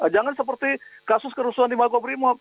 jangan seperti kasus kerusuhan di makobrimob